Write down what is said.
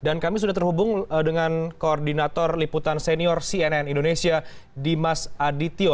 dan kami sudah terhubung dengan koordinator liputan senior cnn indonesia dimas adityo